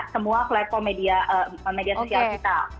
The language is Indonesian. semua platform media sosial kita